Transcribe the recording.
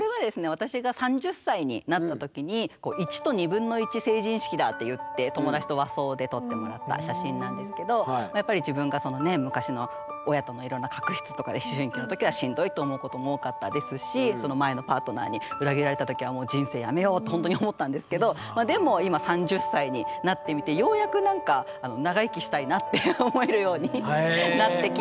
私が３０歳になった時にって言って友達と和装で撮ってもらった写真なんですけどやっぱり自分がそのね昔の親とのいろんな確執とかで思春期の時はしんどいと思うことも多かったですし前のパートナーに裏切られた時はもう人生やめようと本当に思ったんですけどでも今って思えるようになってきて。